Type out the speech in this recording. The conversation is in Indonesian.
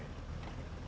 pak banyak sekali